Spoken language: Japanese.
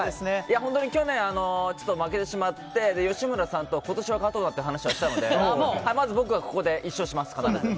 本当に去年負けてしまって吉村さんと今年は勝とうと話をしたのでここで僕は１勝します。